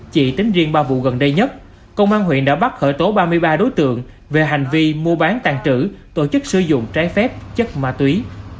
chỉ tính riêng ba vụ gần đây nhất công an huyện đã bắt khởi tố ba mươi ba đối tượng về hành vi mua bán tàn trữ tổ chức sử dụng trái phép chất ma túy